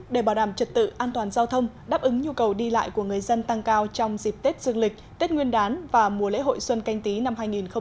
để bảo đảm trật tự an toàn giao thông đáp ứng nhu cầu đi lại của người dân tăng cao trong dịp tết dương lịch tết nguyên đán và mùa lễ hội xuân canh tí năm hai nghìn hai mươi